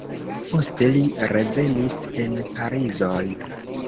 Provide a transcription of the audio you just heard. Poste li revenis en Parizon.